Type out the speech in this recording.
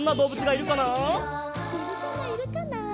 いるかないるかな？